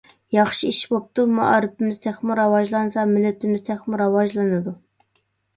ياخشى ئىش بوپتۇ. مائارىپىمىز تېخىمۇ راۋاجلانسا مىللىتىمىز تېخىمۇ راۋاجلىنىدۇ.